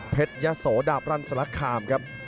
ยะโสดาบรันสลักคามครับ